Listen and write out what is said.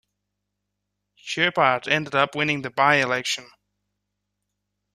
Huyghebaert ended up winning the by-election.